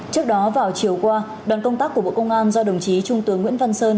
trước đó vào chiều qua đoàn công tác của bộ công an do đồng chí trung tướng nguyễn văn sơn